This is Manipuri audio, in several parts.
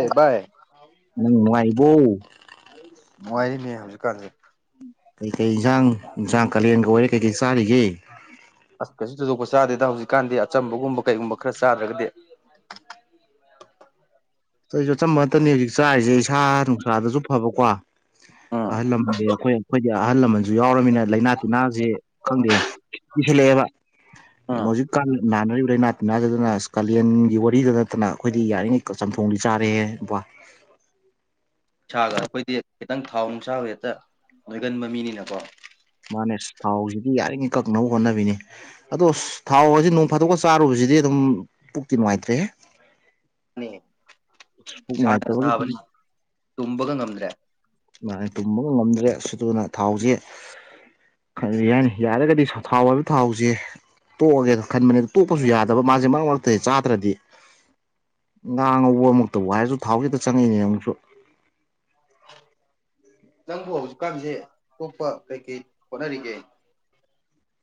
ꯑꯦ ꯚꯥꯏ ꯅꯪ ꯅꯨꯡꯉꯥꯏꯔꯤꯕꯔꫭ ꯅꯨꯡꯉꯥꯏꯔꯤꯅꯦ ꯍꯧꯖꯤꯛꯀꯥꯟꯁꯦ ꯀꯩꯀꯩ ꯏꯟꯖꯥꯡ ꯌꯦꯟꯖꯥꯡ ꯀꯥꯂꯦꯟꯒ ꯑꯣꯏꯔꯦ ꯀꯩꯀꯩ ꯆꯥꯔꯤꯒꯦ ꯑꯁ ꯀꯩꯁꯨ ꯊꯣꯏꯗꯣꯛꯄ ꯆꯥꯗꯦꯗ ꯍꯧꯖꯤꯛꯀꯥꯟꯗꯤ ꯑꯆꯝꯕꯒꯨꯝꯕ ꯀꯩꯒꯨꯝꯕ ꯈꯔ ꯆꯥꯗ꯭ꯔꯒꯗꯤ ꯑꯩꯁꯨ ꯑꯆꯝꯕ ꯉꯥꯛꯇꯅꯤ ꯍꯧꯖꯤꯛ ꯆꯥꯔꯤꯁꯦ ꯏꯁꯥ ꯅꯨꯡꯁꯥꯗꯁꯨ ꯐꯕꯀꯣ ꯎꯝ ꯑꯍꯜ ꯂꯃꯟꯗꯤ ꯑꯩꯈꯣꯏ ꯑꯩꯈꯣꯏꯗꯤ ꯑꯍꯜ ꯂꯃꯟꯁꯨ ꯌꯥꯎꯔꯃꯤꯅ ꯂꯥꯏꯅꯥ ꯇꯤꯟꯅꯥꯁꯦ ꯈꯪꯗꯦ ꯀꯩꯁꯜꯂꯥꯛꯑꯦꯕ ꯎꯝ ꯍꯧꯖꯤꯛꯀꯥꯟ ꯅꯥꯅꯔꯤꯕ ꯂꯥꯏꯅꯥ ꯇꯤꯟꯅꯥꯁꯤꯗꯅ ꯀꯥꯂꯦꯟꯒꯤ ꯋꯥꯔꯤꯗ ꯅꯠꯇꯅ ꯑꯩꯈꯣꯏꯗꯤ ꯌꯥꯔꯤꯉꯩ ꯆꯝꯊꯣꯡꯗꯤ ꯆꯥꯔꯦꯍꯦꯕ ꯁꯥꯒ ꯑꯩꯈꯣꯏꯗꯤ ꯈꯤꯇꯪ ꯊꯥꯎ ꯅꯨꯡꯁꯥꯕ ꯍꯦꯛꯇ ꯅꯣꯏꯒꯟꯕ ꯃꯤꯅꯤꯅꯀꯣ ꯃꯥꯅꯦ ꯑꯁ ꯊꯥꯎꯁꯤꯗꯤ ꯌꯥꯔꯤꯉꯩ ꯀꯛꯅꯕ ꯍꯣꯠꯅꯕꯤꯅꯤ ꯑꯗꯣ ꯊꯥꯎꯁꯤ ꯅꯣꯡ ꯐꯥꯗꯣꯛꯒ ꯆꯥꯔꯨꯕꯁꯤꯗꯤ ꯑꯗꯨꯝ ꯄꯨꯛꯇꯤ ꯅꯨꯡꯉꯥꯏꯇ꯭ꯔꯦ ꯍꯦ ꯅꯦ ꯄꯨꯛ ꯁꯥꯅ ꯅꯨꯡꯉꯥꯏꯇꯕꯒꯤ ꯁꯥꯕꯅꯦ ꯇꯨꯝꯕꯒ ꯉꯝꯗ꯭ꯔꯦ ꯃꯥꯥꯅꯦ ꯇꯨꯝꯕꯒꯥ ꯉꯝꯗ꯭ꯔꯦ ꯑꯗꯨꯅ ꯊꯥꯎꯁꯦ ꯀꯔꯤ ꯍꯥꯏꯅꯤ ꯌꯥꯔꯒꯗꯤ ꯊꯥꯎ ꯍꯥꯏꯕ ꯊꯥꯎꯁꯦ ꯇꯣꯛꯑꯒꯦꯅ ꯈꯟꯕꯅꯦ ꯑꯗꯨ ꯇꯣꯛꯄꯁꯨ ꯌꯥꯗꯕ ꯃꯥꯁꯦ ꯃꯔꯛ ꯃꯔꯛꯇ ꯆꯥꯗ꯭ꯔꯗꯤ ꯉꯥ ꯉꯧꯕ ꯑꯃꯨꯛꯇꯕꯨ ꯍꯥꯏꯔꯁꯨ ꯊꯥꯎꯁꯤꯗ ꯆꯪꯉꯛꯏꯅꯦ ꯑꯃꯨꯛꯁꯨ ꯅꯪꯕꯨ ꯍꯧꯖꯤꯛꯀꯥꯟꯁꯦ ꯑꯇꯣꯞꯄ ꯀꯩ ꯀꯩ ꯍꯣꯠꯅꯔꯤꯒꯦ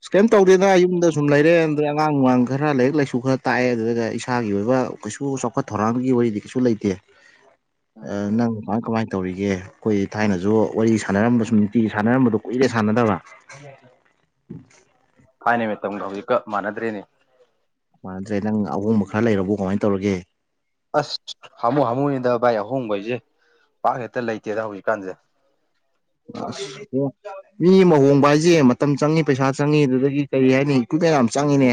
ꯏꯁ ꯀꯩꯝ ꯇꯧꯗꯦꯗ ꯌꯨꯝꯗ ꯁꯨꯝ ꯂꯩꯔꯦ ꯑꯗꯩ ꯑꯉꯥꯡ ꯅꯨꯡꯉꯥꯡ ꯈꯔ ꯂꯥꯏꯔꯤꯛ ꯂꯥꯏꯁꯨ ꯈꯔ ꯇꯥꯛꯑꯦ ꯑꯗꯨꯒ ꯏꯁꯥꯒꯤ ꯑꯣꯏꯕ ꯀꯩꯁꯨ ꯆꯥꯎꯈꯠ ꯊꯧꯔꯥꯡꯒꯤ ꯋꯥꯔꯤꯗꯤ ꯀꯩꯁꯨ ꯂꯩꯇꯦ [unintelligible] ꯑꯥ ꯅꯪ ꯅꯨꯄꯥꯅ ꯀꯃꯥꯏ ꯇꯧꯔꯤꯒꯦ ꯑꯩꯈꯣꯏ ꯊꯥꯏꯅꯁꯨ ꯋꯥꯔꯤ ꯁꯥꯟꯅꯔꯝꯕ ꯁꯨꯝ ꯅꯨꯡꯇꯤꯒꯤ ꯁꯥꯟꯅꯔꯝꯕꯗꯣ ꯀꯨꯏꯔꯦ ꯁꯥꯟꯅꯗꯕ [unintelligible] ꯊꯥꯏꯅꯩ ꯃꯇꯝꯒ ꯍꯧꯖꯤꯛꯀ ꯃꯥꯟꯅꯗ꯭ꯔꯦꯅꯦ ꯃꯥꯟꯅꯗ꯭ꯔꯦ ꯅꯪ ꯑꯍꯣꯡꯕ ꯈꯔ ꯂꯩꯔꯕꯕꯨ ꯀꯃꯥꯏꯅ ꯇꯧꯔꯒꯦ ꯑꯁ ꯍꯥꯃꯨ ꯍꯥꯃꯣꯏꯅꯤꯗ ꯚꯥꯏ ꯑꯍꯣꯡꯕꯩꯁꯦ ꯄꯥꯛ ꯍꯦꯛꯇ ꯂꯩꯇꯦꯗ ꯍꯧꯖꯤꯛꯀꯥꯟꯁꯦ ꯑꯁ ꯃꯤ ꯑꯃ ꯍꯣꯡꯕ ꯍꯥꯏꯁꯦ ꯃꯇꯝ ꯆꯪꯏ ꯄꯩꯁꯥ ꯆꯪꯏ ꯑꯗꯨꯗꯒꯤ ꯀꯔꯤ ꯍꯥꯏꯅꯤ [unintelligible] ꯌꯥꯝ ꯆꯪꯉꯤꯅꯦ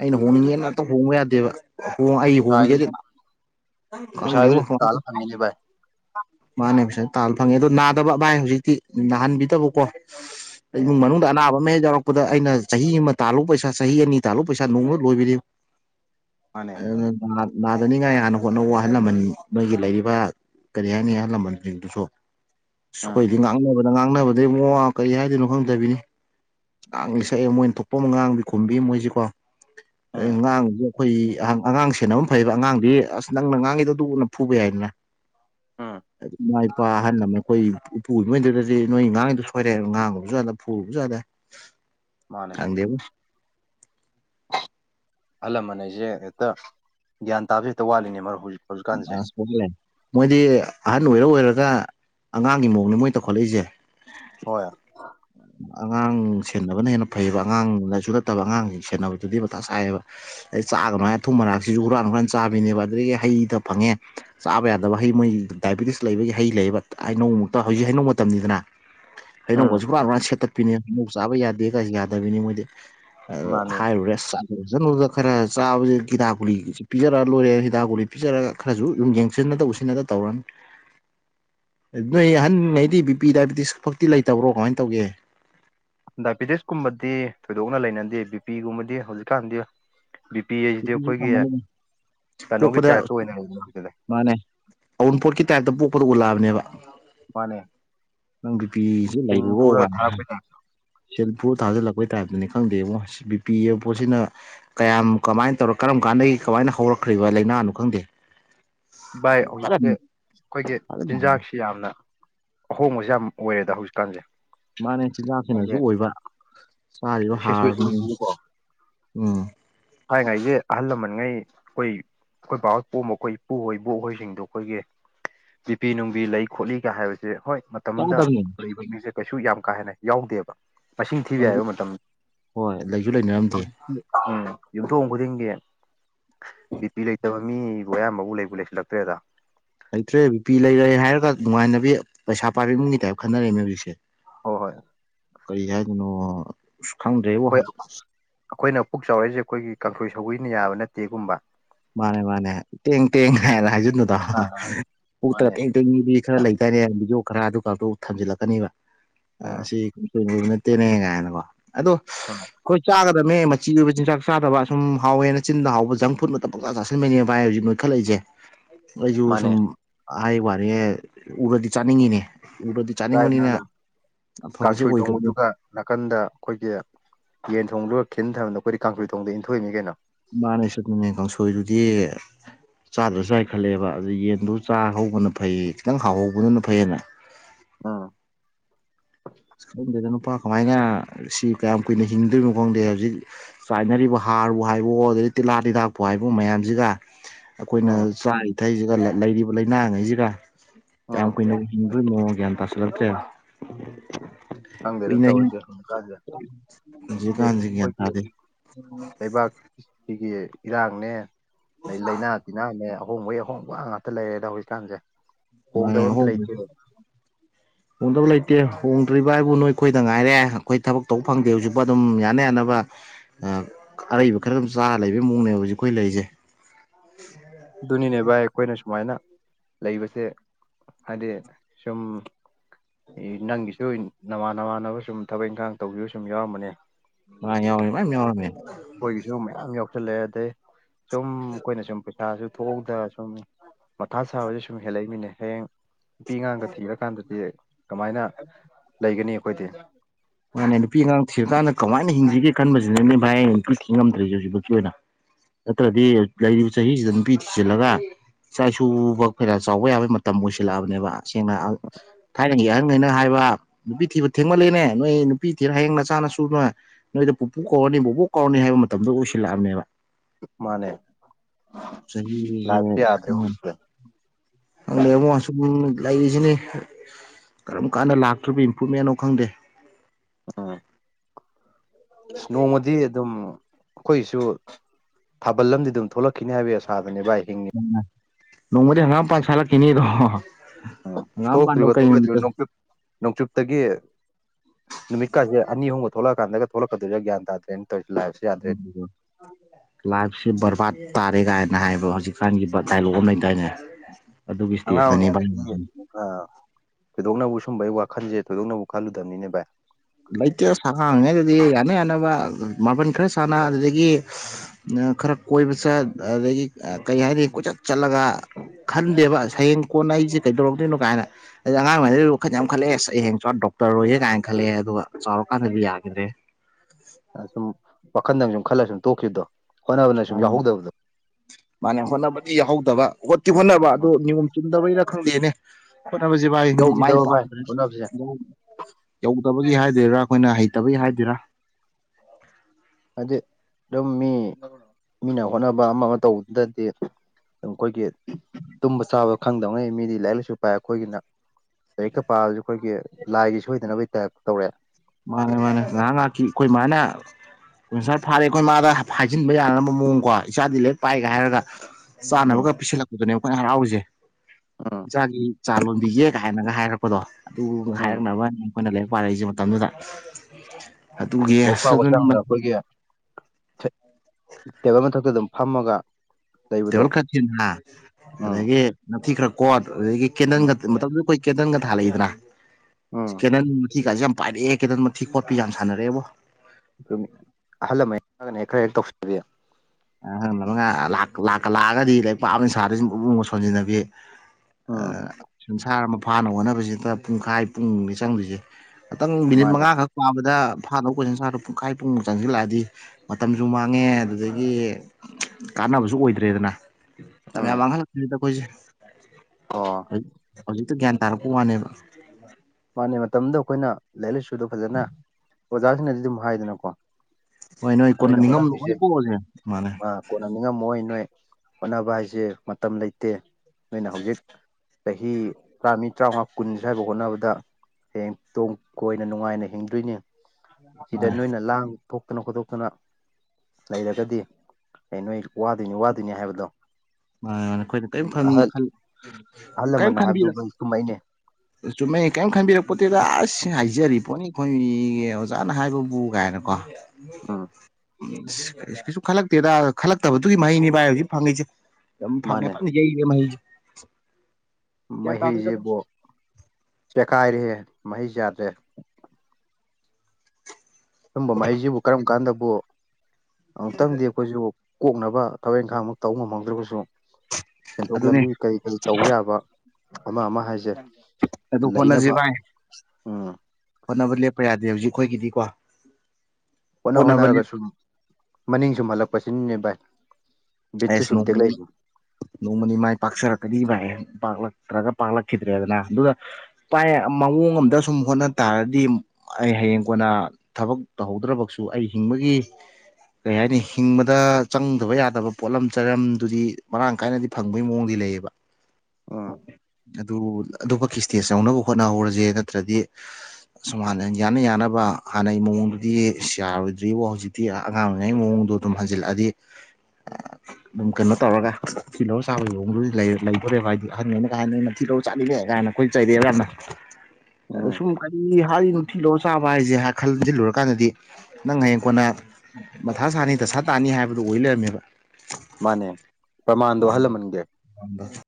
ꯑꯩꯅ ꯍꯣꯡꯅꯤꯡꯉꯦꯅ ꯍꯦꯛꯇ ꯍꯣꯡꯕ ꯌꯥꯗꯦꯕ ꯑꯣ ꯑꯩ ꯄꯩꯁꯥꯗꯤ ꯍꯣꯡꯒꯦꯗꯤ ꯈꯪꯗꯦꯕꯣ ꯄꯩꯁꯥꯗꯨ ꯇꯥꯜꯂ ꯐꯪꯉꯤꯅꯦ ꯚꯥꯏ [unintelligible] ꯃꯥꯅꯦ ꯄꯩꯁꯥꯁꯦ ꯇꯥꯜ ꯐꯪꯉꯦ ꯑꯗꯣ ꯅꯥꯗꯕ ꯚꯥꯏ ꯍꯧꯖꯤꯛꯇꯤ ꯅꯥꯍꯟꯕꯤꯗꯕꯀꯣ ꯎꯝ ꯏꯃꯨꯡ ꯃꯅꯨꯡꯗ ꯑꯅꯥꯕ ꯑꯃ ꯍꯦꯛ ꯌꯥꯎꯔꯛ ꯄꯗꯥ ꯑꯩꯅ ꯆꯍꯤ ꯑꯃ ꯇꯥꯜꯂꯨꯕ ꯄꯩꯁꯥ ꯆꯍꯤ ꯑꯅꯤ ꯇꯥꯜꯂꯨꯕ ꯄꯩꯁꯥ ꯅꯣꯡꯃ ꯂꯣꯏꯕꯤꯅꯤ ꯃꯥꯅꯦ ꯑꯗꯨꯅ ꯅꯥ ꯅꯥꯗꯅꯤꯡꯉꯥꯏ ꯍꯥꯟꯅ ꯍꯣꯠꯅꯧ ꯍꯥꯏꯅꯕꯅꯤ ꯅꯣꯏꯒꯤ ꯂꯩꯔꯤꯕ ꯀꯔꯤ ꯍꯥꯏꯅꯤ ꯑꯍꯜ ꯂꯃꯟꯁꯤꯡꯗꯨꯁꯨ ꯎꯝ ꯁꯨꯈꯣꯏꯗꯤ ꯉꯥꯡꯅꯕꯗ ꯉꯥꯡꯅꯕꯗ ꯏꯕꯨꯡꯉꫭ ꯀꯔꯤ ꯍꯥꯏꯗꯣꯏꯅꯣ ꯈꯪꯗꯕꯤꯅꯤ ꯉꯥꯡꯂꯤ ꯁꯛꯑꯦ ꯃꯣꯏꯅ ꯊꯣꯛꯄ ꯑꯃ ꯉꯥꯡꯕꯤ ꯈꯨꯝꯕꯤ ꯃꯣꯏꯁꯤꯀꯣ ꯎꯝ ꯑꯗꯩ ꯉꯥꯡꯏꯁꯦ ꯑꯩꯈꯣꯏ ꯑꯉꯥꯡ ꯁꯦꯟꯅ ꯑꯃ ꯐꯩꯕ ꯑꯉꯥꯡꯗꯤ ꯑꯁ ꯅꯪꯅ ꯉꯥꯡꯉꯤꯗꯣ ꯑꯗꯨꯅ ꯐꯨꯕ ꯌꯥꯏꯗꯅ ꯎꯝ [unintelligible] ꯏꯃꯥ ꯏꯄꯥ ꯑꯍꯥꯟ [unintelligible] ꯑꯩꯈꯣꯏ ꯎꯄꯨ ꯏꯕꯦꯟꯗꯥꯒꯁꯦ ꯅꯣꯏ ꯉꯥꯡꯉꯤꯗ ꯁꯣꯏꯔꯦ ꯉꯥꯡꯉꯨꯕꯁꯨ ꯌꯥꯗꯦ ꯐꯨꯨꯔꯨꯕꯁꯨ ꯌꯥꯗꯦ ꯃꯥꯅꯦ ꯈꯪꯗꯦꯕꯨ ꯑꯍꯜ ꯂꯃꯟ ꯑꯩꯁꯦ ꯍꯦꯛꯇ ꯒ꯭ꯌꯥꯟ ꯇꯥꯕꯁꯦ ꯍꯦꯛꯇ ꯋꯥꯠꯂꯤꯅꯦ ꯃꯔ ꯍꯧꯖꯤꯛ ꯍꯧꯖꯤꯛꯀꯥꯟꯁꯦ [unintelligible] ꯃꯣꯏꯗꯤ ꯑꯍꯟ ꯑꯣꯏꯔ ꯑꯣꯏꯔꯒ ꯑꯉꯥꯡꯒꯤ ꯃꯑꯣꯡꯅꯦ ꯃꯣꯏ ꯇꯧꯈꯠꯂꯛꯏꯁꯦ ꯍꯣꯏ ꯑꯉꯥꯡ ꯁꯦꯟꯅꯕꯅ ꯍꯦꯟꯅ ꯐꯩꯌꯦꯕ ꯑꯉꯥꯡ ꯅꯠꯇꯕ ꯑꯉꯥꯡꯁꯤꯡ ꯁꯦꯟꯅꯕꯗꯨꯗꯤ ꯃꯊꯥ ꯁꯥꯏꯌꯦꯕ ꯑꯗꯩ ꯆꯥꯒꯅꯨ ꯍꯥꯏꯔ ꯑꯊꯨꯝ ꯑꯔꯥꯛꯁꯤꯁꯨ ꯍꯨꯔꯥꯟ ꯍꯨꯔꯥꯟ ꯆꯥꯕꯤꯅꯦꯕ ꯑꯗꯨꯗꯒꯤ ꯍꯩꯗ ꯐꯪꯉꯦ ꯆꯥꯕ ꯌꯥꯗꯕ ꯍꯩ ꯃꯣꯏ ꯗꯥꯏꯕꯤꯇꯤꯁ ꯂꯩꯕꯒꯤ ꯍꯩ ꯂꯩꯕ ꯑꯩꯅꯧꯃꯨꯛꯇ ꯍꯧꯖꯤꯛ ꯍꯩꯩꯅꯧ ꯃꯇꯝꯅꯤꯗꯅ ꯎꯝ ꯍꯩꯅꯧꯒꯁꯨ ꯍꯨꯔꯥꯟ ꯍꯨꯔꯥꯟ ꯁꯦꯠꯇꯠꯄꯤꯅꯦ ꯃꯧ ꯆꯥꯕ ꯌꯥꯗꯦ ꯀꯥꯏꯁꯨ ꯌꯥꯗꯕꯤꯅꯦ ꯃꯣꯏꯗꯤ ꯃꯥꯅꯦ ꯍꯥꯏꯔꯨꯔꯦ ꯁꯠ ꯔꯤꯖꯟꯗ ꯈꯔ ꯆꯥꯕꯁꯦ ꯍꯤꯗꯥꯛ ꯒꯨꯂꯤꯁꯤ ꯄꯤꯖꯔ ꯂꯣꯏꯔꯦ ꯍꯤꯗꯥꯛ ꯒꯨꯂꯤ ꯄꯤꯖꯔꯒꯥ ꯈꯔꯁꯨ ꯗꯨꯝ ꯌꯦꯡꯁꯤꯟꯅꯗꯕ ꯎꯁꯤꯟꯅꯗ ꯇꯧꯔꯅꯤ [inaudible] ꯅꯣꯏ ꯑꯍꯟꯉꯩꯗꯤ ꯕꯤꯄꯤ ꯗꯥꯏꯕꯤꯇꯤꯁ ꯐꯧꯇꯤ ꯂꯩꯇꯕ꯭ꯔꯣ ꯀꯃꯥꯏ ꯇꯧꯒꯦ ꯗꯥꯏꯕꯦꯇꯤꯁꯀꯨꯝꯕꯗꯤ ꯊꯣꯏꯗꯣꯛꯅ ꯂꯩꯅꯗꯦ ꯕꯤꯄꯤꯒꯨꯝꯕꯗꯤ ꯍꯧꯖꯤꯛꯀꯥꯟꯗꯤ ꯕꯤ ꯄꯤ ꯍꯥꯏꯁꯤꯗꯤ ꯕꯤꯄꯤꯁꯨ ꯑꯩꯈꯣꯏꯒꯤ ꯇꯝꯃꯅꯤ ꯀꯩꯅꯣꯒꯤ ꯄꯣꯛꯄꯗ ꯇꯥꯏꯞꯇ ꯑꯣꯏꯅꯔꯦ ꯃꯥꯅꯦ ꯑꯎꯟꯄꯣꯠꯀꯤ ꯇꯥꯏꯞꯇ ꯄꯣꯛꯄꯗꯣ ꯎꯠꯂꯛꯑꯥꯕꯅꯦꯕ ꯃꯥꯅꯦ ꯅꯪ ꯕꯤꯄꯤꯁꯨ ꯄꯤꯟ ꯂꯩꯕ ꯄꯨꯔꯒ ꯊꯥꯔꯛꯄꯩ [unintelligible] ꯇꯥꯏꯞ ꯁꯦꯜꯐꯨ ꯊꯥꯖꯤꯜꯂꯛꯄꯩ ꯇꯥꯏꯞꯇꯅꯤ ꯈꯪꯗꯦ ꯏꯕꯣ ꯕꯤ ꯄꯤ ꯍꯥꯏꯕ ꯄꯣꯠꯁꯤꯅ ꯀꯌꯥꯝ ꯀꯃꯥꯏꯅ ꯇꯧꯔ ꯀꯔꯝ ꯀꯥꯟꯗꯒꯤ ꯀꯃꯥꯏꯅ ꯍꯧꯔꯛꯈ꯭ꯔꯤꯕ ꯂꯩꯅꯥꯅꯣ ꯈꯪꯗꯦ ꯚꯥꯏ ꯍꯧꯖꯤꯛꯇꯤ ꯑꯩꯈꯣꯏꯒꯤ ꯆꯤꯟꯖꯥꯛꯁꯤ ꯌꯥꯝꯅ ꯑꯍꯣꯡꯕꯁꯦ ꯌꯥꯝ ꯑꯣꯏꯔꯦꯗ ꯍꯧꯖꯤꯛꯀꯥꯟꯁꯦ ꯃꯥꯅꯦ ꯆꯤꯟꯖꯥꯛꯁꯤꯅꯁꯨ ꯍꯥꯏꯗꯤ ꯑꯣꯏꯕ ꯆꯥꯔꯤꯕ ꯍꯥꯔꯅꯨꯡ ꯁꯤꯆꯨꯋꯦꯁꯟꯁꯤꯗꯤꯀꯣ ꯎꯝ ꯊꯥꯏꯉꯩꯁꯦ ꯑꯍꯜ ꯂꯃꯟꯉꯩ ꯑꯩꯈꯣꯏ ꯑꯩꯈꯣꯏ ꯕꯥ ꯄꯣꯝꯑꯝꯕ ꯑꯩꯈꯣꯏ ꯄꯨꯍꯣꯏ ꯕꯣꯛꯍꯣꯏ ꯁꯤꯡꯗꯣ ꯑꯩꯈꯣꯏꯒꯤ ꯖꯤꯄꯤ ꯅꯨꯡꯕꯤ ꯂꯩ ꯈꯣꯠꯂꯤꯒ ꯍꯥꯏꯕꯁꯦ ꯍꯣꯏ ꯃꯥ- ꯇꯝꯗ ꯆꯥꯗꯕꯅꯤ ꯂꯩꯕ ꯃꯤꯁꯦ ꯀꯩꯁꯨ ꯌꯥꯝ ꯀꯥ ꯍꯦꯟꯅ ꯌꯥꯎꯗꯦꯕ ꯃꯁꯤꯡ ꯊꯤꯕ ꯌꯥꯏ ꯃꯇꯝ ꯍꯣꯏ ꯂꯩꯁꯨ ꯂꯩꯅꯔꯝꯗꯦ [inaudible] ꯎꯝ ꯌꯨꯝꯊꯣꯡ ꯈꯨꯗꯤꯡꯒꯤ ꯕꯤꯄꯤ ꯂꯩꯇꯕ ꯃꯤꯕꯨ ꯑꯌꯥꯝꯕ ꯕꯨ ꯂꯩꯕꯨ ꯂꯩꯁꯤꯜꯂꯛꯇ꯭ꯔꯦꯗ ꯂꯩꯇ꯭ꯔꯦ ꯕꯤꯄꯤ ꯂꯩ ꯂꯩ ꯍꯥꯏꯔꯒ ꯅꯨꯡꯉꯥꯏꯅꯕꯤ ꯄꯩꯁꯥ ꯄꯥꯏꯕꯤꯃꯤꯒꯤ ꯇꯥꯏꯞ ꯈꯟꯅꯔꯦꯅꯦ ꯍꯧꯖꯤꯛꯁꯦ ꯍꯣ ꯍꯣꯏ ꯀꯔꯤ ꯍꯥꯏꯗꯨꯏꯅꯣ ꯑꯩꯈꯣꯏ ꯑꯩꯈꯣꯏꯅ ꯄꯨꯛ ꯆꯥꯎꯔꯛꯏꯁꯦ ꯑꯩꯈꯣꯏꯒꯤ ꯀꯥꯡꯈꯣꯏ ꯁꯧꯒ꯭ꯔꯤꯅ ꯌꯥꯕ ꯅꯠꯇꯦꯒꯨꯝꯕ ꯃꯥꯅꯦ ꯃꯥꯅꯦ ꯇꯦꯡ ꯇꯦꯡ ꯍꯥꯏꯅ ꯍꯥꯏꯖꯤꯟꯕꯗꯣ ꯑꯥ ꯑꯥ ꯄꯨꯛꯇꯒ ꯃꯥꯅꯦ ꯇꯦꯡ [unintelligible] ꯈꯔ ꯂꯩꯗꯥꯏꯅꯦ ꯚꯗꯤꯑꯣ ꯈꯔ ꯑꯗꯨꯀꯥꯛꯇꯣ ꯊꯝꯖꯤꯜꯂꯛꯀꯅꯤꯕ ꯑꯥ ꯎꯝ ꯁꯤ [unintelligible] ꯅꯠꯇꯦꯅꯦ ꯀꯥꯏꯅꯀꯣ ꯑꯗꯣ [unintelligible] ꯍꯣꯏ ꯆꯥꯒꯗꯝꯃꯦ ꯃꯆꯤ ꯑꯣꯏꯕ ꯆꯤꯟꯖꯥꯛ ꯆꯥꯗꯕ ꯁꯨꯝ ꯍꯥꯎꯋꯦꯅ ꯆꯤꯟꯗ ꯍꯥꯎꯕ ꯖꯪ ꯐꯨꯠ ꯇꯥ ꯄꯨꯡꯆꯥ ꯆꯥꯁꯤꯟꯕꯒꯤꯅꯦ ꯚꯥꯏ ꯍꯧꯖꯤꯛ ꯅꯣꯏꯈꯠꯂꯛꯏꯁꯦ ꯑꯩꯁꯨ ꯃꯥꯅꯦ ꯁꯨꯝ ꯍꯥꯏꯋꯅꯦ ꯎꯔꯗꯤ ꯆꯥꯅꯤꯡꯉꯤꯅꯦ ꯎꯔꯗꯤ ꯆꯥꯅꯤꯡꯕꯅꯤꯅ ꯀꯥꯏꯗꯅꯣꯗ ꯑꯐꯕꯁꯦ ꯀꯥꯡꯁꯣꯏ ꯑꯣꯏꯒꯅꯤ ꯊꯣꯡꯕꯗꯨꯒ ꯅꯥꯀꯟꯗ ꯑꯩꯈꯣꯏꯒꯤ ꯌꯦꯟ ꯊꯣꯡꯕꯗꯨ ꯈꯤꯟ ꯊꯝꯕꯗ ꯑꯩꯈꯣꯏꯗꯤ ꯀꯥꯡꯁꯣꯏ ꯊꯣꯡꯕꯗꯨ ꯏꯟꯊꯣꯛꯏꯅꯤ ꯀꯩꯅꯣ ꯃꯥꯅꯦ ꯁꯨꯄꯔꯃꯦꯟ ꯀꯥꯡꯁꯣꯏꯗꯨꯗꯤ ꯆꯥꯗ꯭ꯔꯁꯨ ꯌꯥꯏ ꯈꯜꯂꯛꯑꯦꯕ ꯑꯗꯨ ꯌꯦꯟꯗꯨ ꯆꯥ ꯍꯧꯕꯅ ꯐꯩ ꯈꯤꯇꯪ ꯍꯥꯎꯍꯧꯕꯗꯨꯅ ꯐꯩꯌꯦꯅ ꯎꯝ ꯈꯪꯗꯦꯗ ꯅꯨꯄꯥ ꯀꯃꯥꯏꯅ ꯁꯤ ꯀꯌꯥꯝ ꯀꯨꯏꯅ ꯍꯤꯡꯗꯨꯏꯅꯣ ꯈꯪꯗꯦ ꯍꯧꯖꯤꯛ ꯆꯥꯏꯅꯔꯤꯕ ꯍꯥꯔꯕꯨ ꯍꯥꯏꯕꯣ ꯑꯗꯩ ꯇꯤꯜꯍꯥ ꯇꯤꯗꯥꯛꯄꯨ ꯍꯥꯏꯕ ꯃꯌꯥꯝꯁꯤꯒ ꯑꯈꯣꯏꯅ ꯎꯝ ꯆꯥꯔꯤ ꯊꯛꯢꯁꯤꯒ ꯂꯩꯔꯤꯕ ꯂꯩꯅꯥꯉꯩꯖꯤꯒ꯫ ꯀ꯭ꯥꯌꯝ ꯎꯝ ꯀꯨꯢꯅꯕꯨ ꯍꯤꯡꯗꯣꯢꯅꯣ ꯒꯌ꯭ꯥꯟ ꯇꯥꯁꯜꯂꯛꯇ꯭ꯔꯦ ꯍꯪꯗꯦꯗ ꯇꯧꯁꯤꯦ ꯆꯥꯖꯦ ꯖꯤꯀꯥꯟꯖꯤ ꯒ꯭ꯌꯥꯟ ꯇꯥꯗꯦ꯫ ꯒꯤ ꯏꯔꯥꯡꯅꯦ ꯑꯗꯩ ꯂꯥꯏꯅꯥ ꯖꯤꯅꯥꯅꯦ ꯑꯍꯣꯡꯕꯩ ꯑꯍꯣꯡꯕ ꯉꯥꯛꯇ ꯂꯩꯔꯦꯗ ꯍꯧꯖꯤꯛꯀꯥꯟꯁꯦ꯫ ꯍꯣꯡꯗꯕ ꯑꯝꯇ [unintelligible] [unintelligible] ꯍꯣꯡꯗꯕ ꯂꯩꯇꯦ ꯍꯣꯡꯗ꯭ꯔꯤꯕ ꯍꯥꯏꯕꯨ ꯅꯣꯏꯈꯣꯏꯗ ꯉꯥꯏꯔꯦ ꯑꯩꯈꯣꯏ ꯊꯕꯛ ꯇꯧ ꯐꯪꯗꯦ ꯍꯧꯖꯤꯛꯄ ꯑꯗꯨꯝ ꯌꯥꯅ ꯌꯥꯅꯕ ꯑꯔꯩꯕ ꯈꯔ ꯑꯗꯨꯝ ꯆꯥꯔ ꯂꯩꯕꯩ ꯃꯑꯣꯡꯅꯦꯕ ꯍꯧꯖꯤꯛ ꯑꯩꯈꯣꯏ ꯂꯩꯔꯤꯁꯦ ꯑꯗꯨꯅꯤꯅꯦ ꯚꯥꯏ ꯑꯩꯈꯣꯏꯅ ꯁꯨꯃꯥꯏꯅ ꯂꯩꯕꯁꯦ ꯍꯥꯏꯗꯤ ꯁꯨꯝ ꯏ ꯅꯪꯒꯤꯁꯨ ꯅꯃꯥꯟ ꯅꯃꯥꯟꯅꯕ ꯁꯨꯝ ꯊꯕꯛ ꯏꯪꯈꯥꯡ ꯇꯧꯕꯤꯕ ꯁꯨꯝ ꯌꯥꯎꯔꯝꯃꯅꯤ꯫ [unintelligible] ꯑꯩꯈꯣꯏꯒꯤꯁꯨꯨꯝ ꯃꯌꯥꯝ ꯌꯥꯎꯁꯜꯂꯛꯑꯦ ꯑꯗꯩ ꯁꯨꯝ ꯑꯩꯈꯣꯏꯅ ꯁꯨꯝ ꯄꯊꯥꯁꯨ ꯊꯣꯛꯎꯧꯗ ꯁꯨꯝ ꯃꯊꯥ ꯁꯥꯕꯁ ꯁꯨꯝ ꯍꯦꯜꯂꯛꯏꯃꯤꯅꯦ ꯍꯌꯦꯡ ꯅꯨꯄꯤꯉꯥꯡꯒ ꯊꯤꯔꯀꯥꯟꯗꯗꯤ ꯀꯃꯥꯏꯅ ꯂꯩꯒꯅꯤ ꯑꯩꯈꯣꯏꯗꯤ ꯃꯥꯅꯦ ꯅꯨꯄꯤ ꯑꯉꯥꯡ ꯊꯤꯔꯀꯥꯟꯗ ꯀꯃꯥꯏꯅ ꯍꯤꯡꯁꯤꯒꯦ ꯈꯟꯕꯁꯤꯅꯅꯦ ꯚꯥꯏ ꯑꯩꯅ ꯅꯨꯄꯤ ꯊꯤꯉꯝꯗ꯭ꯔꯤꯁꯦ ꯍꯧꯖꯤꯛꯀꯤ ꯑꯣꯏꯅ꯫ ꯅꯠꯇ꯭ꯔꯗꯤ ꯂꯩꯔꯤꯕ ꯆꯍꯤꯁꯤꯗ ꯅꯨꯄꯤ ꯊꯤꯖꯤꯜꯂꯒ ꯏꯆꯥ ꯏꯁꯨꯕꯧ ꯐꯩꯅꯥꯝ ꯆꯥꯎꯕ ꯌꯥꯕꯩ ꯃꯇꯝ ꯑꯣꯏꯁꯤꯜꯂꯛꯑꯕꯅꯦꯕ꯫ ꯁꯦꯡꯅ ꯊꯥꯏꯅꯒꯤ ꯑꯍꯪꯈꯩꯅ ꯍꯥꯏꯕ ꯅꯨꯄꯤ ꯊꯤꯕ ꯊꯦꯡꯃꯜꯂꯦꯅꯦ ꯅꯣꯏ ꯅꯨꯄꯤ ꯊꯤꯔ ꯍꯌꯦꯡ ꯅꯆꯥꯥꯅ ꯁꯨꯅ ꯅꯣꯏꯗ ꯄꯨꯄꯨ ꯀꯧꯔꯅꯤ ꯕꯣꯕꯣꯛ ꯀꯧꯔꯅꯤ ꯍꯥꯏꯕ ꯃꯇꯝꯗꯣ ꯑꯣꯏꯁꯤꯜꯂꯛꯑꯕꯅꯦꯕ꯫ ꯃꯥꯅꯦ ꯆꯍꯤꯖꯦ ꯂꯥꯏꯐꯁꯦ ꯌꯥꯗ꯭ꯔꯦ ꯍꯧꯖꯤꯛꯁꯦ [unintelligible] ꯪ ꯑꯃ ꯑꯃꯣ ꯁꯨꯝ ꯂꯩꯔꯤꯁꯤꯅꯦ ꯀꯔꯝ ꯀꯥꯟꯗ ꯂꯥꯛꯇ꯭ꯔꯤꯕ ꯏꯝꯄ꯭ꯔꯨꯚꯃꯦꯟꯅꯣ ꯈꯪꯗꯦ ꯎꯝ꯫ ꯏꯁ ꯅꯣꯡꯃꯗꯤ ꯑꯗꯨꯝ ꯑꯩꯈꯣꯏꯁꯨ ꯊꯥꯕꯜ ꯂꯝꯗꯤ ꯑꯗꯨꯝ ꯊꯣꯛꯂꯛꯈꯤꯅꯤ ꯍꯥꯏꯕꯒꯤ ꯑꯁꯥꯗꯨꯅꯦ ꯚꯥꯏ ꯍꯤꯡꯉꯤ ꯅꯣꯡꯃꯗꯤ ꯍꯪꯒꯥꯝ ꯄꯥꯟꯁꯂꯛꯀꯤꯅꯤꯗꯣ ꯊꯣꯛꯇ꯭ꯔꯤꯕ ꯊꯣꯛꯂꯣꯏꯗ꯭ꯔꯤꯕ ꯅꯣꯡꯆꯨꯞ ꯅꯣꯡꯆꯨꯞꯇꯒꯤ ꯅꯨꯃꯤꯠꯀꯥꯁꯦ ꯑꯅꯤ ꯑꯍꯨꯝꯒ ꯊꯣꯛꯂꯛꯑꯀꯥꯟꯗꯒ ꯊꯣꯛꯂꯛꯀꯗꯣꯢꯔ ꯒ꯭ꯌꯥꯟ ꯇꯥ꯭ꯗꯔꯦ꯫ ꯇ ꯂꯦ ꯑꯣ ꯍ [unintelligible] ꯂꯥꯏꯐꯁꯦ ꯕꯔꯕꯥꯠ ꯇꯥꯔꯦ ꯀꯥꯏꯅ ꯍꯥꯏꯕ ꯍꯧꯖꯤꯛꯀꯥꯟꯒꯤ ꯗꯥꯏꯂꯣꯛ ꯑꯃ ꯂꯩꯗꯏꯅꯦ ꯑꯗꯨꯒꯤ ꯏꯁꯇꯦꯖꯇꯅꯦ ꯚꯥꯏ ꯑꯥ ꯊꯣꯏꯗꯣꯛꯅꯕꯨ ꯁꯨꯝꯕꯩ ꯋꯥꯈꯜꯁꯦ ꯊꯣꯏꯗꯣꯛꯅꯕꯨ ꯈꯜꯂꯨꯗꯕꯅꯤꯅꯦ ꯚꯥꯏ꯫ ꯂꯩꯇꯅ ꯁꯉꯥꯡꯉꯩ ꯑꯗꯨꯗꯤ ꯌꯥꯅ ꯌꯥꯅꯕ ꯃꯥꯄꯜ ꯈꯔ ꯁꯥꯟꯅ ꯑꯗꯨꯗꯒꯤ ꯈꯔ ꯀꯣꯏꯕ ꯆꯠ ꯑꯗꯒꯤ ꯀꯩ ꯍꯥꯏꯅꯤ ꯀꯣꯏꯆꯠ ꯆꯠꯂꯒ ꯈꯟꯗꯦꯕ ꯁꯌꯦꯡ ꯀꯣꯟꯅ ꯑꯩꯁꯦ ꯀꯩꯗꯧꯔꯛꯇꯣꯏꯅꯣ ꯀꯥꯏꯅ ꯑꯗꯩ ꯑꯉꯥꯡ ꯑꫭꯏꯔꯤꯉꯩꯗꯥꯗꯤ ꯋꯥꯈꯜ ꯌꯥꯝ ꯈꯜꯂꯛ ꯍꯥꯌꯡ ꯆꯥꯎꯔꯥ ꯗꯣꯛꯇꯔ ꯑꯣꯏ ꯀꯥꯏꯅ ꯈꯜꯂꯛꯑꯦ ꯑꯗꯨꯒ ꯆꯥꯎꯔꯀꯥꯟꯗꯗꯤ ꯌꯥꯈꯤꯗ꯭ꯔꯦ ꯑꯥ ꯁꯨꯝ ꯋꯥꯈꯟꯗꯪ ꯁꯨꯝ ꯈꯜꯂ ꯁꯨꯝ ꯇꯣꯛꯈꯤꯕꯗꯣ ꯍꯣꯠꯅꯕꯅ ꯁꯨꯝ ꯌꯥꯎꯍꯧꯗꯕꯗ ꯃꯥꯅꯦ ꯍꯣꯠꯅꯕꯗꯤ ꯌꯥꯎꯍꯧꯗꯕ ꯍꯣꯠꯇꯤ ꯍꯣꯠꯅꯕ ꯑꯗꯨ ꯅꯤꯌꯣꯝ ꯆꯨꯝꯗꯕꯩꯩꯔ ꯈꯪꯗꯦꯅꯦ ꯍꯣꯠꯅꯕꯁꯤ ꯚꯥꯏ ꯃꯥꯏ ꯌꯧꯈꯤꯗꯕ ꯚꯥꯏ ꯄꯥꯛꯇ꯭ꯔꯦ ꯍꯣꯠꯅꯕꯁꯦ ꯌꯧꯗꯕꯒꯤ ꯍꯥꯏꯗꯣꯏꯔꯥ꯫ ꯑꯩꯈꯣꯏꯅ ꯍꯩꯇꯕꯒꯤ ꯍꯥꯏꯗꯣꯏꯔꯥ ꯍꯥꯏꯗꯤ ꯑꯗꯨꯝ ꯃꯤ ꯃꯤꯅ ꯍꯣꯠꯅꯕ ꯑꯃ ꯑꯃ ꯇꯧꯕꯗꯗꯤ ꯇꯨꯝ ꯈꯣꯏꯒꯤ ꯇꯨꯝꯕ ꯆꯥꯕ ꯈꯪꯗꯝꯉꯩ ꯃꯤꯗꯤ ꯂꯥꯏꯔꯤꯛ ꯂꯥꯏꯁꯨ ꯄꯥꯏ ꯑꯩꯈꯣꯏꯒꯤꯅ ꯂꯥꯏꯔꯤꯛꯇ ꯄꯥꯔꯖꯨ ꯈꯣꯏꯒꯤ ꯂꯥꯏꯒꯤ ꯁꯣꯏꯗꯅꯕꯒꯤ ꯇꯥꯏꯞ ꯇꯧꯔꯦ꯫ ꯃꯥꯅꯦ ꯃꯥꯅꯦ ꯉꯥꯏꯍꯥꯛ ꯉꯥꯏꯍꯥꯛꯀꯤ ꯑꯩꯈꯣꯏ ꯃꯥꯅꯦ ꯎꯟꯁꯔ ꯐꯥꯔꯦ ꯈꯣꯏ ꯃꯥꯗ ꯍꯥꯏꯖꯤꯟꯕ ꯌꯥꯅꯅꯕ ꯃꯑꯣꯡ ꯀꯣ ꯏꯆꯥꯗꯤ ꯂꯥꯏꯔꯤꯛ ꯄꯥꯏꯒ ꯍꯥꯏꯔꯒ ꯎꯝ ꯆꯥꯅꯕꯒ ꯄꯤꯁꯤꯜꯂꯛꯄꯗꯨꯅꯦꯕ ꯑꯩꯈꯣꯏꯅ ꯍꯔꯥꯎꯔꯤꯁꯦ ꯎꯝ ꯏꯆꯥꯒꯤ ꯆꯥ ꯂꯣꯟꯗꯤ ꯌꯦ ꯀꯥꯏꯅꯒ ꯍꯥꯏꯔꯛꯄ ꯄꯗꯣ ꯑꯗꯨ ꯎꯝ ꯍꯥꯏꯔꯛꯅꯕ ꯑꯅ ꯑꯩꯈꯣꯏꯅ ꯂꯥꯏꯔꯤꯛ ꯄꯥꯔꯛꯏꯁꯦ ꯃꯇꯝꯗꯨꯗ ꯑꯗꯨꯒꯤ ꯂꯥꯏꯔꯤꯛ ꯄꯥꯕꯒ ꯑꯗꯨꯅꯤ ꯆꯪꯉꯒ ꯑꯩꯈꯣꯏꯒꯤ ꯇꯦꯕꯜ ꯃꯊꯛꯇ ꯑꯗꯨꯝ ꯐꯝꯃꯒ ꯂꯩꯕꯗꯣ ꯇꯦꯕꯜ ꯈꯔꯁꯤꯅ ꯎꯝ ꯑꯗꯒꯤ ꯅꯥꯊꯤ ꯈꯔ ꯀꯣꯠ ꯑꯗꯒꯤ ꯀꯦꯟꯗꯟ ꯈ ꯃꯇꯝꯗꯨ ꯀ ꯀꯦꯟꯗꯜꯒ ꯊꯥꯜꯂꯛꯏꯗꯅ ꯎꯝ ꯀꯦꯗꯟ ꯃꯊꯤ ꯀꯥꯁꯦ ꯌꯥꯝ ꯄꯥꯏꯔꯛꯑꯦ ꯀꯦꯇꯟ ꯃꯊꯤ ꯈꯣꯠꯄꯤ ꯌꯥꯝ ꯁꯥꯟꯅꯔꯛꯑꯦꯕꯣ꯫ ꯑꯍꯜ ꯂꯃꯟꯔꯒꯅꯦꯛ ꯈꯔ ꯍꯦꯛ ꯇꯧꯁꯤꯟꯕꯤ [unintelligible] ꯎꯝ ꯁꯪꯁꯥꯔ ꯑꯃ ꯐꯥꯅ ꯍꯣꯠꯅꯕꯁꯤꯗ ꯄꯨꯡꯈꯥꯏ ꯄꯨꯡꯗꯤ ꯆꯪꯗꯣꯏꯁꯦ ꯑꯟꯇꯪ ꯃꯤꯅꯤꯠ ꯃꯥꯅꯦ ꯃꯉꯥꯈꯛ ꯄꯥꯕꯗ ꯐꯥꯗꯧ ꯀꯣꯏ ꯁꯥꯗꯣ ꯄꯨꯡꯈꯥꯏ ꯄꯨꯡꯃꯨꯛ ꯆꯪꯁꯤꯜꯂꯛꯑꯗꯤ ꯃꯇꯝꯁꯨ ꯃꯥꯡꯉꯦ ꯑꯗꯨꯗꯒꯤ ꯀꯥꯟꯅꯕꯁꯨ ꯑꯣꯏꯗ꯭ꯔꯦꯗꯅ ꯃꯇꯝꯌꯥꯝ ꯎꯝ ꯃꯥꯡꯍꯜꯂꯛꯇꯦꯗ ꯑꯩꯈꯣꯏꯁꯦ ꯑꯣ ꯍꯧꯖꯤꯛꯇ ꯒ꯭ꯌꯥꯟ ꯇꯥꯔꯛꯄ ꯋꯥꯅꯦꯕ꯫ ꯃꯥꯅꯦ ꯃꯇꯝꯗꯣ ꯑꯩꯈꯣꯏꯅ ꯂꯥꯏꯔꯤꯛ ꯂꯥꯏꯁꯨꯗꯣ ꯐꯖꯅ ꯑꯣꯖꯥꯁꯤꯡꯅꯗꯤ ꯑꯗꯨꯝ ꯍꯥꯏꯗꯅꯀꯣ꯫ ꯍꯣꯏ ꯅꯣꯏ ꯀꯣꯟꯅ ꯅꯤꯡꯉꯝꯗꯣ ꯑꯩ ꯄꯣꯛꯁꯦ ꯃꯥꯅꯦ ꯀꯣꯟꯅ ꯅꯤꯡꯉꯝꯃꯣꯏ ꯅꯣꯏ ꯍꯣꯠꯅꯕ ꯍꯥꯏꯁꯦ ꯃꯇꯝ ꯂꯩꯇꯦ ꯅꯣꯏꯅ ꯍꯧꯖꯤꯛ ꯆꯍꯤ ꯇꯔꯥꯃꯔꯤ ꯇꯔꯥꯃꯉꯥ ꯀꯨꯟ ꯁ꯭ꯋꯥꯏꯕ ꯍꯣꯠꯅꯕꯗ ꯍꯌꯦꯡ ꯇꯨꯡ ꯀꯣꯏꯅ ꯅꯨꯡꯉꯥꯏꯅ ꯍꯤꯡꯗꯣꯏꯅꯦ ꯃꯥꯅꯦ ꯁꯤꯗ ꯃꯥꯅꯦ ꯅꯣꯏꯅ ꯂꯥꯡ ꯊꯣꯛꯇꯅ ꯈꯣꯠꯇꯣꯛꯇꯅ꯫ ꯂꯩꯔꯒꯗꯤ ꯑꯦ ꯅꯣꯏ ꯋꯥꯗꯣꯏꯅꯤ ꯋꯥꯗꯣꯏꯅꯤ ꯍꯥꯏꯕꯗꯣ꯫ ꯃꯥꯅꯤ ꯃꯥꯅꯦ ꯑꯩꯈꯣꯏꯅ ꯀꯔꯤꯝ ꯑꯍꯜ ꯑꯍꯜ ꯀꯔꯤꯝ ꯂꯃꯟꯅ ꯍꯥꯏꯕꯗꯨ ꯈꯟꯕꯤꯗꯥ ꯃꯩ ꯀꯨꯝꯃꯛꯏꯅꯦ ꯆꯨꯝꯃꯦ ꯀꯔꯤꯝ ꯈꯟꯕꯤꯔꯛꯄꯗꯦꯗ ꯥ ꯑꯁ ꯍꯥꯏꯖꯔꯤꯕꯣꯅꯤ ꯑꯩꯈꯣꯏ ꯃꯤꯒꯤ ꯑꯣꯖꯥꯅ ꯍꯥꯏꯕꯕꯨ ꯀꯥꯏꯅ [unintelligible] ꯎꯝ ꯎꯝ ꯀꯩꯁꯨ ꯈꯜꯂꯛꯇꯦꯗ ꯈꯜꯂꯛꯇꯕꯗꯨꯒꯤ ꯃꯍꯩꯅꯤ ꯚꯥꯏ ꯍꯧꯖꯤꯛ ꯐꯪꯉꯤꯁꯦ ꯌꯥꯝ ꯐꯪꯉꯦ ꯃꯥꯅꯦ ꯐꯅ ꯌꯩꯔꯦ ꯃꯥꯍꯩꯖꯦ꯫ ꯃꯍꯩꯖꯦꯕꯨ ꯆꯦꯀꯥꯏꯔꯦꯍꯦ ꯃꯍꯩ ꯆꯥꯗ꯭ꯔꯦ ꯁꯨꯝꯕ ꯃꯍꯩꯁꯤꯕꯨ ꯀꯔꯝ ꯀꯥꯟꯗꯕꯨ ꯑꯃꯨꯛꯇꯪꯗꯤ ꯑꯈꯣꯏꯖꯨ ꯀꯣꯛꯅꯕ ꯊꯕꯛ ꯏꯪꯈꯥꯡ ꯃꯛ ꯇꯧ ꯉꯝꯍꯧꯗ꯭ꯔꯒꯁꯨ ꯁꯦꯟꯊꯣꯛ ꯑꯗꯨꯅꯦ ꯂꯝꯕꯤ ꯀꯔꯤ ꯀꯔꯤ ꯇꯧꯕ ꯌꯥꯕ ꯑꯃ ꯑꯃ ꯍꯥꯏꯁꯦ ꯑꯗꯨ ꯍꯣꯠꯅꯁꯦ ꯂꯩꯅꯕ ꯚꯥꯏ ꯎꯝ ꯍꯣꯠꯅꯕ ꯂꯦꯞꯄ ꯌꯥꯗꯦ ꯍꯧꯖꯤꯛ ꯑꯩꯈꯣꯏꯒꯤꯗꯤꯀꯣ ꯍꯣꯠꯅ ꯍꯣꯠꯅꯕ ꯍꯣꯠꯅꯔꯒ ꯂꯦꯞ ꯁꯨꯝ ꯃꯅꯤꯡ ꯁꯨꯝ ꯍꯜꯂꯛꯄ ꯁꯤꯅꯤꯅꯦ ꯚꯥꯏ꯫ ꯕꯤꯠꯁꯦ ꯑꯦꯁ ꯁꯨꯝ ꯅꯣꯡꯃꯌꯨ ꯇꯦꯛꯂꯛꯏꯁꯦ ꯅꯣꯡꯃꯅꯤ ꯃꯥꯏ ꯄꯥꯛꯆꯔꯛꯀꯗꯤ ꯚꯥꯏ ꯄꯥꯛꯂꯛꯇ꯭ꯔꯒ ꯄꯥꯛꯂꯛꯈꯤꯗ꯭ꯔꯦꯗꯅ ꯑꯗꯨꯒ ꯄꯥꯢ ꯃꯑꯣꯡ ꯑꯝꯗ ꯁꯨꯝ ꯍꯣꯠꯅ ꯇꯥꯔꯗꯤ ꯑꯩ ꯍꯌꯦꯡ ꯀꯣꯟꯅ ꯊꯕꯛ ꯇꯧꯍꯧꯗ꯭ꯔꯕꯁꯨ ꯑꯩ ꯍꯤꯡꯕꯒꯤ ꯀꯩ ꯍꯥꯏꯅꯤ ꯍꯤꯡꯕꯗ ꯆꯪꯗꯕ ꯌꯥꯗꯕ ꯄꯣꯠꯂꯝ ꯆꯔꯝꯗꯨꯗꯤ ꯃꯔꯥꯡ ꯀꯥꯏꯅꯗꯤ ꯐꯪꯕꯒꯤ ꯃꯑꯣꯡꯗꯤ ꯂꯩꯌꯦꯕ ꯎꯝ ꯑꯗꯨ ꯑꯗꯨꯃꯛꯀꯤ ꯏꯁꯇꯦꯖ ꯌꯥꯧꯅꯕ ꯍꯣꯠꯅꯍꯧꯔꯁꯦ ꯅꯠꯇ꯭ꯔꯗꯤ ꯁꯨꯝ ꯍꯥꯟꯅ ꯌꯥꯅ ꯌꯥꯅꯕ ꯍꯥꯟꯅꯩ ꯃꯑꯣꯡꯗꯨꯗꯤ ꯢꯁ ꯌꯥꯔꯣꯏꯗ꯭ꯔꯤꯕꯣ ꯍꯧꯖꯤꯛ ꯊꯤ ꯑꯉꯥꯡ ꯑꯣꯏꯔꯤꯉꯩꯒꯤ ꯃꯑꯣꯡꯗꯣ ꯑꯗꯨꯝ ꯍꯟꯖꯤꯜꯂꯛꯑꯗꯤ [unintelligible] ꯈꯣꯢ ꯆꯩꯔꯛ ꯑꯦꯕ ꯌꯥꯝꯅ꯫ [inaudible] ꯎꯝ [unintelligible] ꯅꯪ ꯍꯌꯦꯡ ꯀꯣꯟꯅ ꯃꯊꯥ ꯁꯥꯅꯤ ꯗꯁꯥ ꯇꯥꯅꯤ ꯍꯥꯏꯕꯗꯨ ꯑꯣꯏ ꯂꯩꯔꯝꯃꯦꯕ꯫ ꯃꯥꯅꯦ ꯄ꯭ꯔꯃꯥꯟꯗꯣ ꯑꯍꯜꯂꯝꯃꯟꯒꯤ [unintelligible]